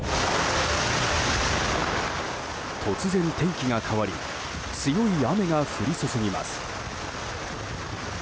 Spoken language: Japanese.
突然、天気が変わり強い雨が降り注ぎます。